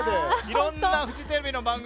いろんなフジテレビの番組。